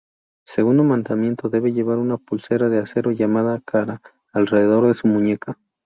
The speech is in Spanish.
Segundo mandamiento: debe llevar una pulsera de acero llamada "kara", alrededor de su muñeca.